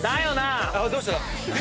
どうした？